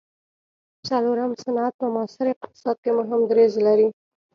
څلورم صنعت په معاصر اقتصاد کې مهم دریځ لري.